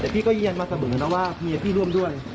เดี๋ยวก็เยี่ยนมาเสมอแล้วว่ามีพี่ร่วมด้วย